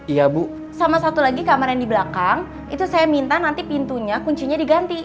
iya bu sama satu lagi kamar yang di belakang itu saya minta nanti pintunya kuncinya diganti